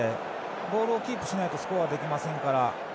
ボールをキープしないとスコアできませんから。